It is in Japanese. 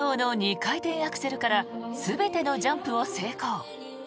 冒頭の２回転アクセルから全てのジャンプを成功。